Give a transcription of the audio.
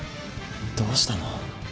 どうしたの？